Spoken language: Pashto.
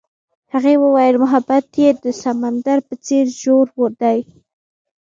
هغې وویل محبت یې د سمندر په څېر ژور دی.